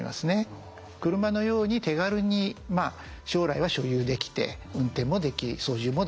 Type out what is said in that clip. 車のように手軽に将来は所有できて運転もでき操縦もできる。